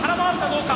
どうか！